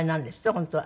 本当は。